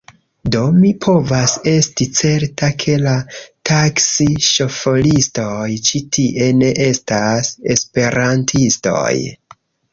Do mi povas esti certa, ke la taksi-ŝoforistoj ĉi tie ne estas Esperantistoj.